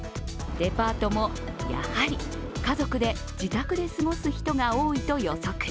デパートもやはり家族で自宅で過ごす人が多いと予測。